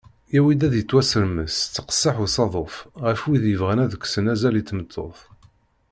Yewwi-d ad yettwasemres s teqseḥ usaḍuf ɣef wid yebɣan ad kksen azal i tmeṭṭut.